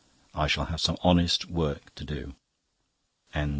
I shall have some Honest Work to do."